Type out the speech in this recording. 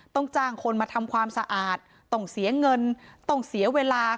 ต้องจ้างคนมาทำความสะอาดต้องเสียเงินต้องเสียเวลา